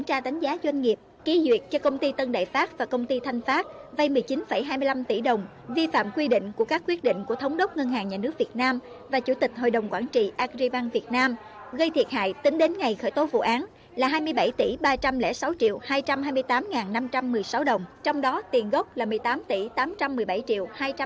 hãy đăng ký kênh để ủng hộ kênh của chúng mình nhé